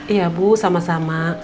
iya bu sama sama